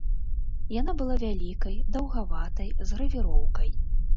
Яна была вялікай, даўгаватай, з гравіроўкай.